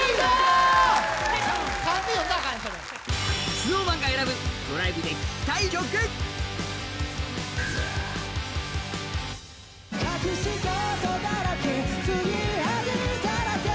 ＳｎｏｗＭａｎが選ぶドライブで聴きたい曲！よいしょ。